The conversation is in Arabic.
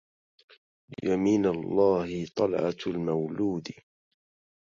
يمن الله طلعة المولود